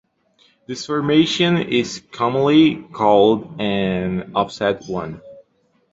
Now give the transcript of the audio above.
This formation is commonly called an Offset One.